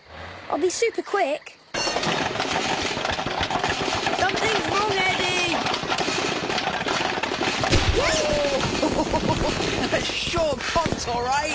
おいしい！